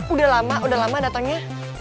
udah lama udah lama datangnya